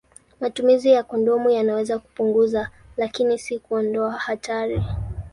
Matumizi ya kondomu yanaweza kupunguza, lakini si kuondoa hatari.